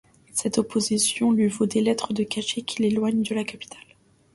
Cette opposition lui vaut des lettres de cachet qui l'éloignent de la capitale.